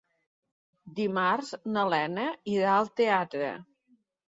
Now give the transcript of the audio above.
Dimarts na Lena irà al teatre.